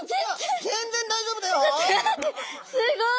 すごい！